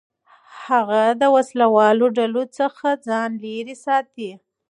هغه د وسلهوالو ډلو څخه ځان لېرې ساتي.